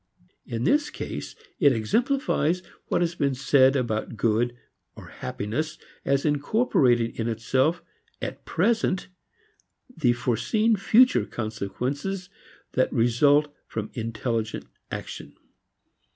In this case, it exemplifies what has been said about good or happiness as incorporating in itself at present the foreseen future consequences that result from intelligent action.